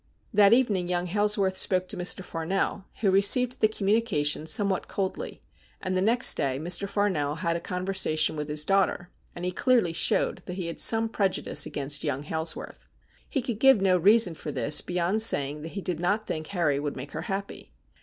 That evening young Hailsworth spoke to Mr. Farnell, who received the communication somewhat coldly, and the next day Mr. Farnell had a conversation with his daughter, and he clearly showed that he had some prejudice against young Hailsworth. He could give no reason for this beyond saying that he did not think Harry would make her happy.